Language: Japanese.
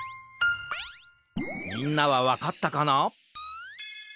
みんなはわかったかな？